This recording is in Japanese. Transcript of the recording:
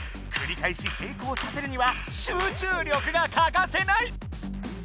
くり返し成功させるには集中力が欠かせない！